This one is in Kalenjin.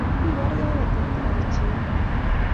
Kibargei ko atebto ab pichiindo